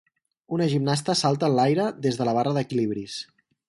Una gimnasta salta en l'aire des de la barra d'equilibris.